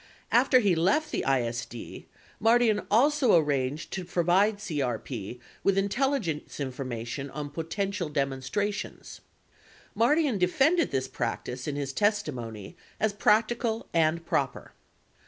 5 After he left the ISD, Mardian also arranged to provide CRP with intelligence information on potential demonstrations. Mardian de fended this practice in his testimony as practical and proper.